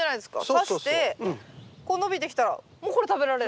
さしてこう伸びてきたらもうこれ食べられる。